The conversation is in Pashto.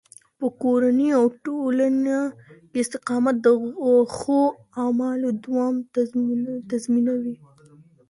په کورني او ټولنه کې استقامت د ښو اعمالو دوام تضمینوي.